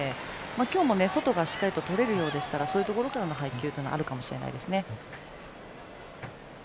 今日も、外からしっかりとれるようでしたらそういうところからの配球はあるかもしれないですね。